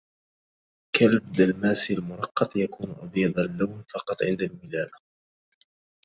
كلب دلماسي المرقّط يكون أبيض اللون فقط عند الولادة.